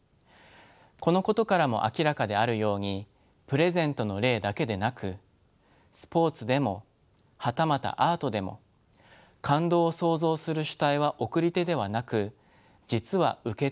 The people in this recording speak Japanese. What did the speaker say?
このことからも明らかであるようにプレゼントの例だけでなくスポーツでもはたまたアートでも感動を創造する主体は送り手ではなく実は受け手なのです。